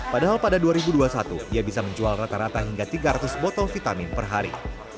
padahal pada dua ribu dua puluh satu ia bisa menjual rata rata hingga tiga ratus botol vitamin per hari